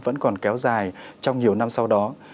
vẫn còn kéo dài trong nhiều năm sau đó